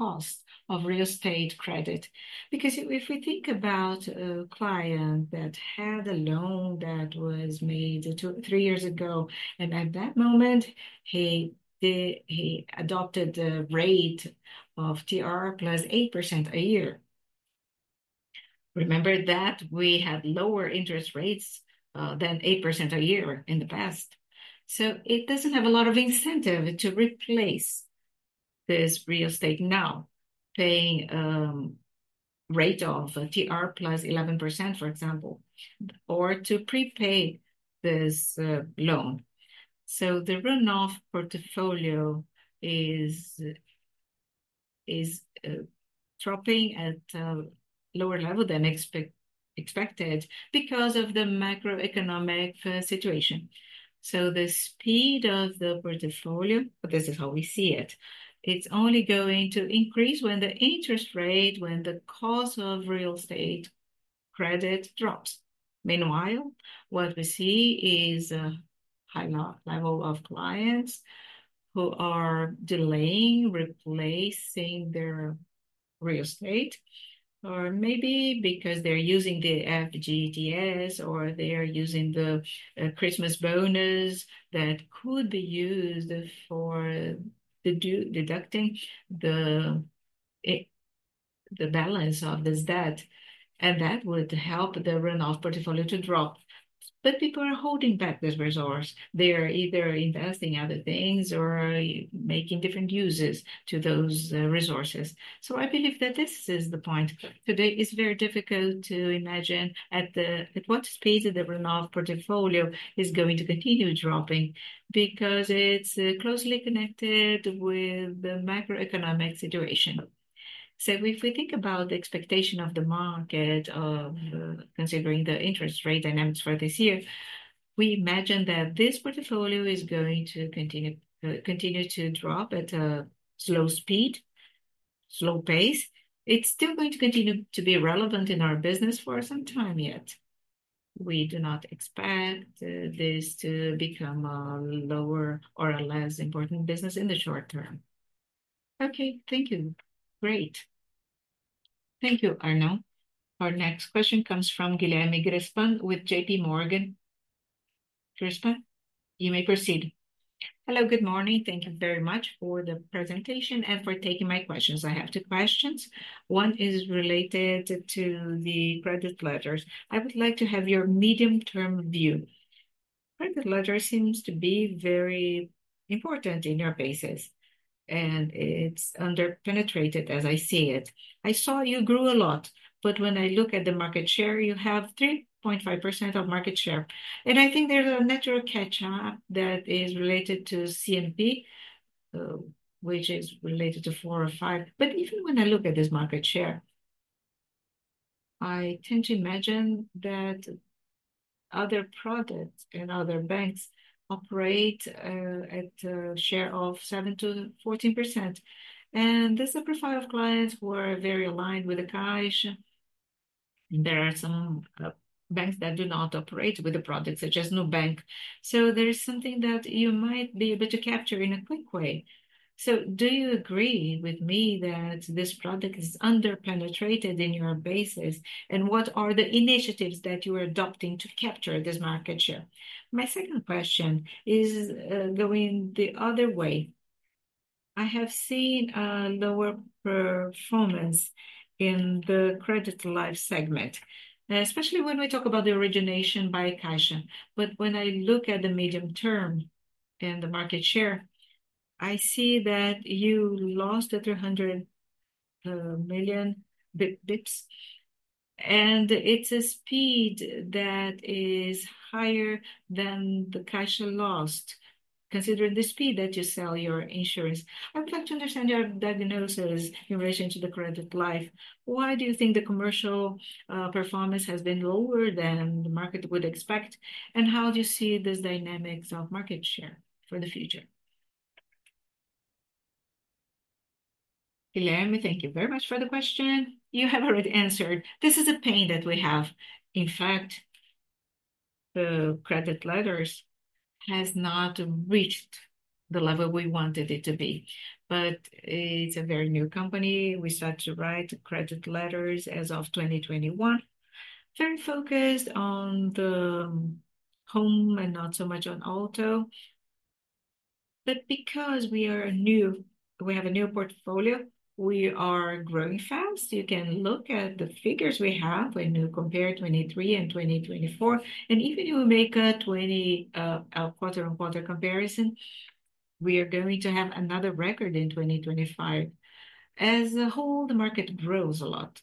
cost of real estate credit. Because if we think about a client that had a loan that was made three years ago, and at that moment, he adopted the rate of TR plus 8% a year. Remember that we had lower interest rates than 8% a year in the past. So it doesn't have a lot of incentive to replace this real estate now, paying a rate of TR plus 11%, for example, or to prepay this loan. So the runoff portfolio is dropping at a lower level than expected because of the macroeconomic situation. So the speed of the portfolio, this is how we see it, it's only going to increase when the interest rate, when the cost of real estate credit drops. Meanwhile, what we see is a high level of clients who are delaying replacing their real estate, or maybe because they're using the FGDS, or they're using the Christmas bonus that could be used for deducting the balance of this debt, and that would help the runoff portfolio to drop, but people are holding back these resources. They are either investing in other things or making different uses to those resources, so I believe that this is the point. Today, it's very difficult to imagine at what speed the runoff portfolio is going to continue dropping because it's closely connected with the macroeconomic situation, so if we think about the expectation of the market of considering the interest rate dynamics for this year, we imagine that this portfolio is going to continue to drop at a slow speed, slow pace. It's still going to continue to be relevant in our business for some time yet. We do not expect this to become a lower or a less important business in the short term. Okay, thank you. Great. Thank you, Arnon. Our next question comes from Guilherme Grespan with J.P. Morgan. Grespan, you may proceed. Hello, good morning. Thank you very much for the presentation and for taking my questions. I have two questions. One is related to the credit letters. I would like to have your medium-term view. Credit letters seem to be very important in your basis, and it's under-penetrated as I see it. I saw you grew a lot, but when I look at the market share, you have 3.5% of market share. And I think there's a natural catch-up that is related to CNP, which is related to four or five. But even when I look at this market share, I tend to imagine that other products and other banks operate at a share of 7%-14%. And there's a profile of clients who are very aligned with the Caixa. There are some banks that do not operate with the products, such as Nubank. So there is something that you might be able to capture in a quick way. So do you agree with me that this product is under-penetrated in your basis? And what are the initiatives that you are adopting to capture this market share? My second question is going the other way. I have seen a lower performance in the credit life segment, especially when we talk about the origination by Caixa. But when I look at the medium term and the market share, I see that you lost the 300 basis points. It's a speed that is higher than the cash lost, considering the speed that you sell your insurance. I would like to understand your diagnosis in relation to the credit life. Why do you think the commercial performance has been lower than the market would expect? How do you see this dynamic of market share for the future? Guilherme, thank you very much for the question. You have already answered. This is a pain that we have. In fact, the credit life has not reached the level we wanted it to be. It's a very new company. We started to write credit life as of 2021, very focused on the home and not so much on auto. Because we have a new portfolio, we are growing fast. You can look at the figures we have when you compare 2023 and 2024. Even if we make a 20-quarter-on-quarter comparison, we are going to have another record in 2025. As a whole, the market grows a lot.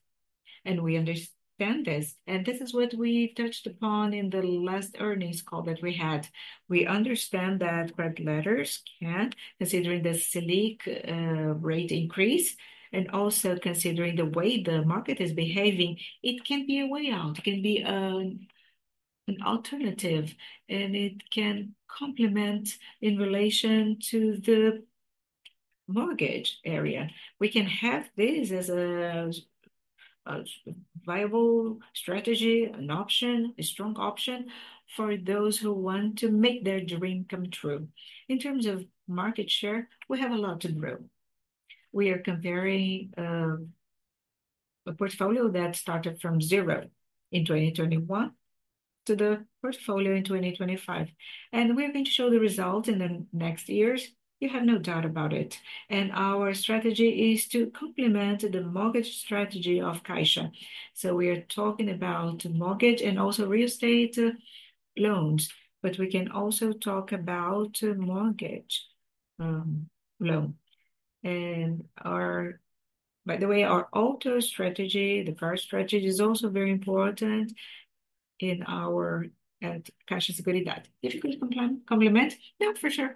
We understand this. This is what we touched upon in the last earnings call that we had. We understand that credit letters can, considering the Selic rate increase and also considering the way the market is behaving, it can be a way out. It can be an alternative, and it can complement in relation to the mortgage area. We can have this as a viable strategy, an option, a strong option for those who want to make their dream come true. In terms of market share, we have a lot to grow. We are comparing a portfolio that started from zero in 2021 to the portfolio in 2025. We are going to show the result in the next years. You have no doubt about it, and our strategy is to complement the mortgage strategy of Caixa. So we are talking about mortgage and also real estate loans, but we can also talk about mortgage loans. And by the way, our auto strategy, the first strategy, is also very important in our Caixa Seguridade. If you could complement, yeah, for sure.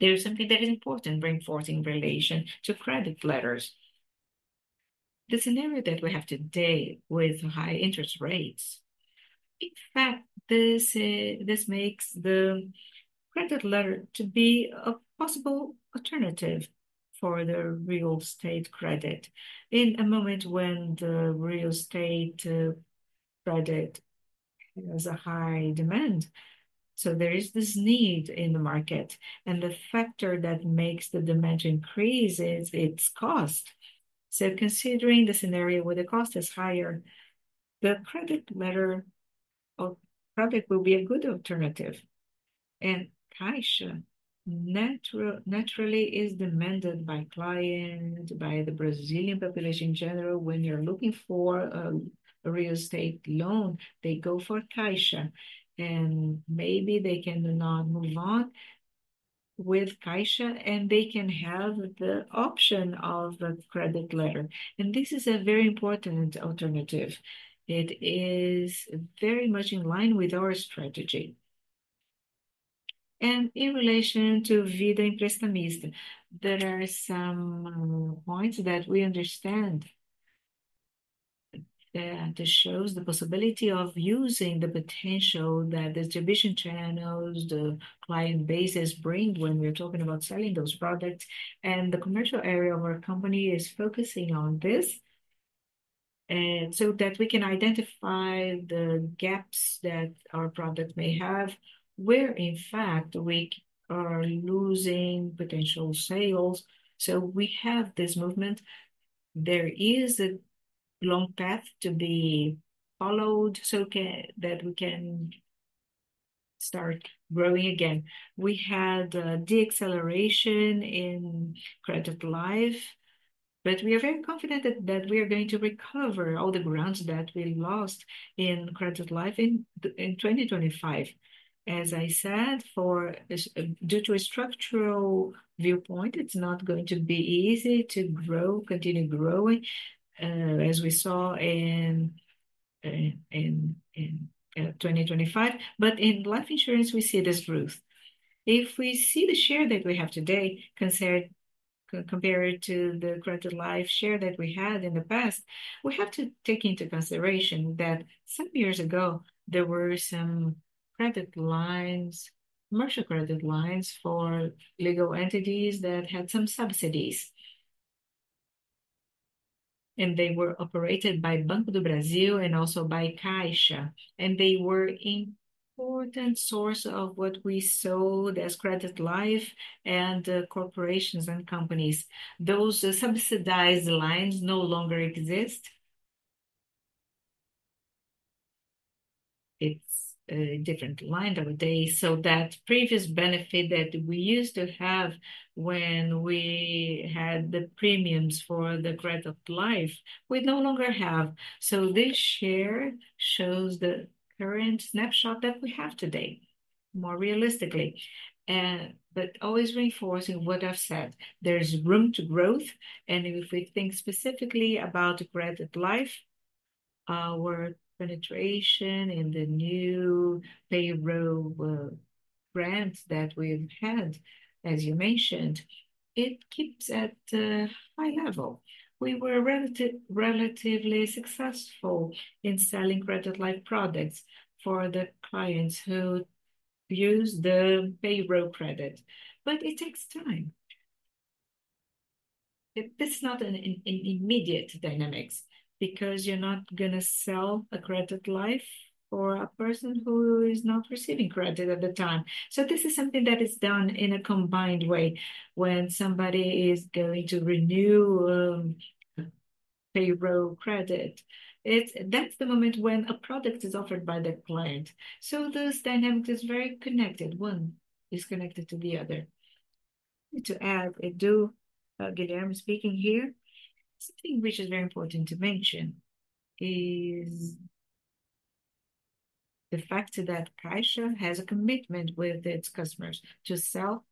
There is something that is important reinforcing relation to credit letters. The scenario that we have today with high interest rates, in fact, this makes the credit letter to be a possible alternative for the real estate credit in a moment when the real estate credit has a high demand. So there is this need in the market, and the factor that makes the demand increase is its cost. So considering the scenario where the cost is higher, the credit letter of product will be a good alternative. And Caixa naturally is demanded by clients, by the Brazilian population in general. When you're looking for a real estate loan, they go for Caixa. And maybe they cannot move on with Caixa, and they can have the option of a credit letter. And this is a very important alternative. It is very much in line with our strategy. And in relation to Vida Prestamista, there are some points that we understand that shows the possibility of using the potential that distribution channels, the client bases bring when we're talking about selling those products. And the commercial area of our company is focusing on this. And so that we can identify the gaps that our product may have, where in fact we are losing potential sales. So we have this movement. There is a long path to be followed so that we can start growing again. We had a deceleration in credit life, but we are very confident that we are going to recover all the grounds that we lost in credit life in 2025. As I said, due to a structural viewpoint, it's not going to be easy to grow, continue growing, as we saw in 2025. But in life insurance, we see this growth. If we see the share that we have today, compared to the credit life share that we had in the past, we have to take into consideration that some years ago, there were some credit lines, commercial credit lines for legal entities that had some subsidies. And they were operated by Banco do Brasil and also by Caixa. And they were an important source of what we sold as credit life and corporations and companies. Those subsidized lines no longer exist. It's a different line nowadays. So that previous benefit that we used to have when we had the premiums for the credit life, we no longer have. So this share shows the current snapshot that we have today, more realistically. But always reinforcing what I've said. There's room to growth. And if we think specifically about credit life, our penetration in the new payroll grant that we've had, as you mentioned, it keeps at a high level. We were relatively successful in selling credit life products for the clients who use the payroll credit. But it takes time. It's not an immediate dynamic because you're not going to sell a credit life for a person who is not receiving credit at the time. So this is something that is done in a combined way when somebody is going to renew payroll credit. That's the moment when a product is offered by the client. So those dynamics are very connected. One is connected to the other. To add, Guilherme speaking here, something which is very important to mention is the fact that Caixa has a commitment with its customers to sell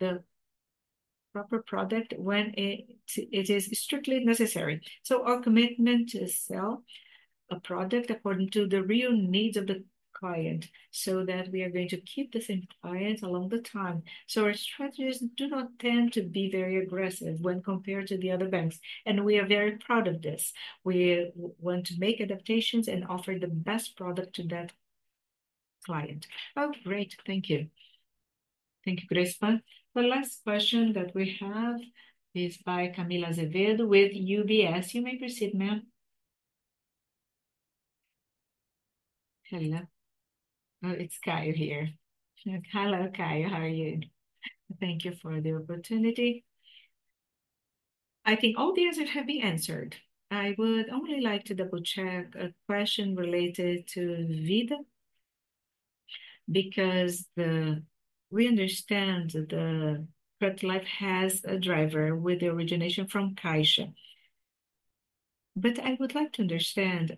the proper product when it is strictly necessary. So our commitment to sell a product according to the real needs of the client so that we are going to keep the same client along the time. So our strategies do not tend to be very aggressive when compared to the other banks. And we are very proud of this. We want to make adaptations and offer the best product to that client. Oh, great. Thank you. Thank you, Grespan. The last question that we have is by Camila Azevedo with UBS. You may proceed, ma'am. Hello. Oh, it's Kaio here. Hello, Kaio. How are you? Thank you for the opportunity. I think all the answers have been answered. I would only like to double-check a question related to Vida because we understand the credit life has a driver with the origination from Caixa. But I would like to understand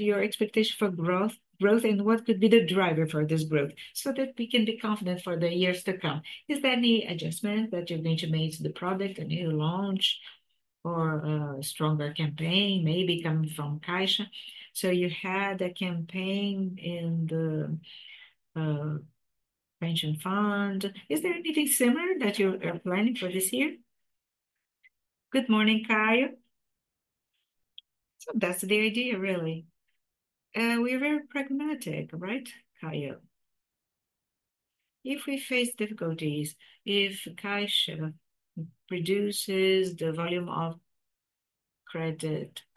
your expectation for growth and what could be the driver for this growth so that we can be confident for the years to come. Is there any adjustment that you're going to make to the product, a new launch, or a stronger campaign, maybe coming from Caixa? So you had a campaign in the pension fund. Is there anything similar that you are planning for this year? Good morning, Kaio. That's the idea, really. We are very pragmatic, right, Kaio? If we face difficulties, if Caixa reduces the volume of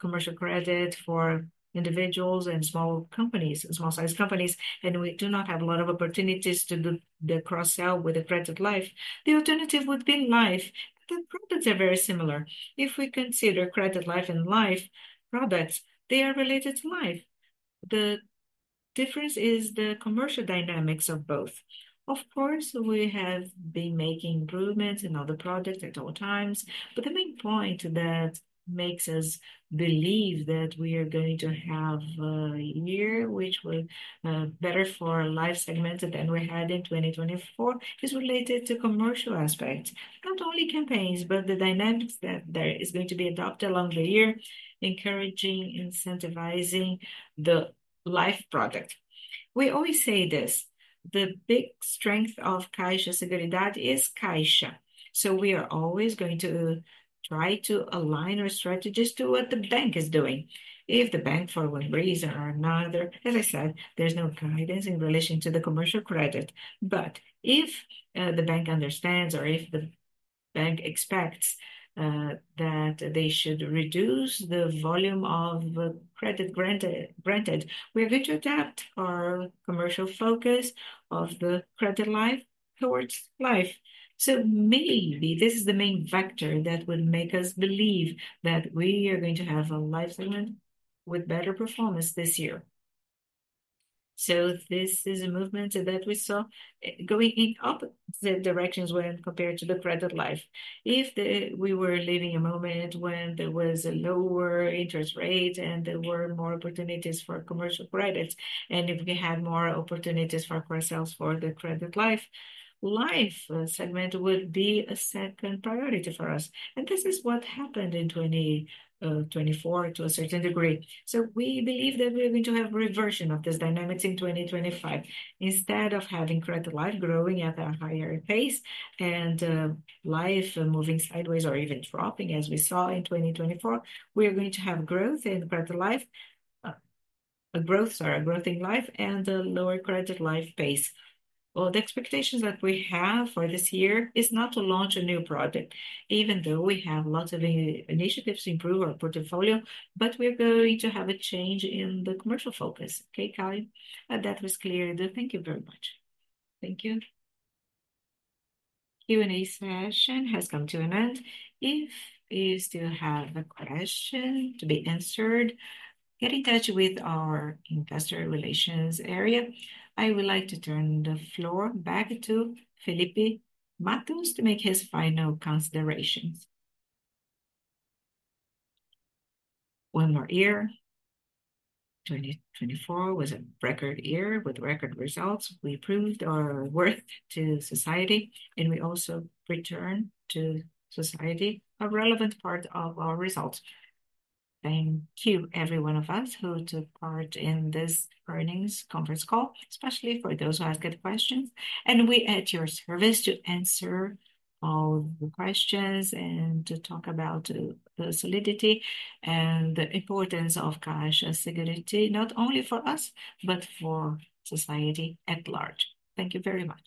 commercial credit for individuals and small size companies, and we do not have a lot of opportunities to do the cross-sell with the credit life, the alternative would be life. The products are very similar. If we consider credit life and life products, they are related to life. The difference is the commercial dynamics of both. Of course, we have been making improvements in other products at all times. But the main point that makes us believe that we are going to have a year which will be better for life segments than we had in 2024 is related to commercial aspects. Not only campaigns, but the dynamics that there are going to be adopted along the year, encouraging, incentivizing the life product. We always say this. The big strength of Caixa Seguridade is Caixa. So we are always going to try to align our strategies to what the bank is doing. If the bank, for one reason or another, as I said, there's no guidance in relation to the commercial credit. But if the bank understands or if the bank expects that they should reduce the volume of credit granted, we are going to adapt our commercial focus of the credit life towards life. So maybe this is the main factor that would make us believe that we are going to have a life segment with better performance this year. So this is a movement that we saw going in opposite directions when compared to the credit life. If we were living a moment when there was a lower interest rate and there were more opportunities for commercial credits, and if we had more opportunities for ourselves for the credit life, life segment would be a second priority for us. And this is what happened in 2024 to a certain degree. So we believe that we're going to have a reversion of these dynamics in 2025. Instead of having credit life growing at a higher pace and life moving sideways or even dropping, as we saw in 2024, we are going to have growth in credit life, a growth, sorry, a growth in life and a lower credit life pace. The expectations that we have for this year is not to launch a new product, even though we have lots of initiatives to improve our portfolio, but we are going to have a change in the commercial focus. Okay, Kaio? That was clear. Thank you very much. Thank you. Q&A session has come to an end. If you still have a question to be answered, get in touch with our investor relations area. I would like to turn the floor back to Felipe Mattos to make his final considerations. One more year. 2024 was a record year with record results. We proved our worth to society, and we also return to society a relevant part of our results. Thank you, every one of us who took part in this earnings conference call, especially for those who asked questions. We are at your service to answer all the questions and to talk about the solidity and the importance of Caixa Seguridade, not only for us, but for society at large. Thank you very much.